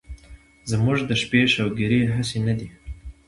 زمونږ د شپې شوګيرې هسې نه دي